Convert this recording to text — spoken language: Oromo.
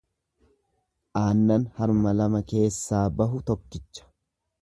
Aannan harma lama keessaa bahu tokkicha.